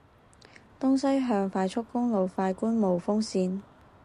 東西向快速公路快官霧峰線